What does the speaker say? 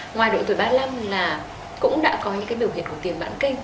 ngoài độ tuổi ba mươi năm là cũng đã có những biểu hiện của tiền mãn kinh